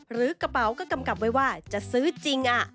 หรือกระเป๋าก็กำกับไว้ว่าจะซื้อจริง